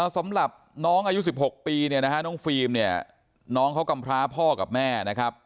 สำหรับน้องอายุ๑๖ปีเนี่ยนะฮะน้องฟิล์มเนี่ยน้องเขากำพร้าพ่อกับแม่นะครับ